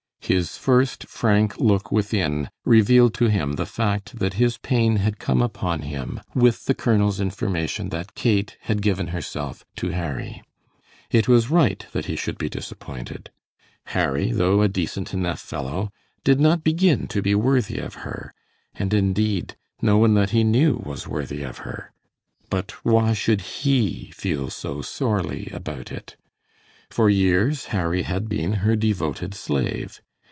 His first frank look within revealed to him the fact that his pain had come upon him with the colonel's information that Kate had given herself to Harry. It was right that he should be disappointed. Harry, though a decent enough fellow, did not begin to be worthy of her; and indeed no one that he knew was worthy of her. But why should he feel so sorely about it? For years Harry had been her devoted slave.